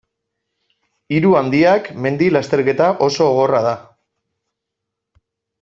Hiru handiak mendi-lasterketa oso gogorra da.